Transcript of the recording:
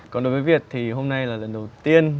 còn đối với việt thì hôm nay là lần đầu tiên